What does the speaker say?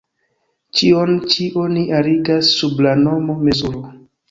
Ĉion ĉi oni arigas sub la nomo "mezuro".